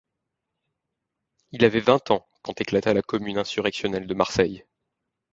Il avait vingt ans quand éclata la Commune insurrectionnelle de Marseille.